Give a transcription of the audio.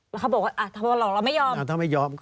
แล้วเขาบอกว่าเราไม่ยอม